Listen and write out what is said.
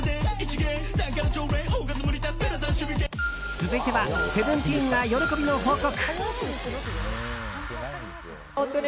続いてはＳＥＶＥＮＴＥＥＮが喜びの報告。